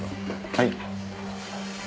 はい。